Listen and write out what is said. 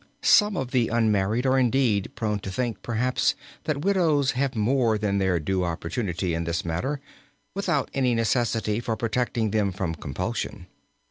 Some of the unmarried are indeed prone to think, perhaps, that widows have more than their due opportunity in this matter without any necessity for protecting them from compulsion.